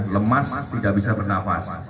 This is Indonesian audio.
lemas tidak bisa bernafas